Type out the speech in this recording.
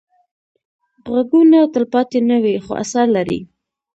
غږونه تلپاتې نه وي، خو اثر لري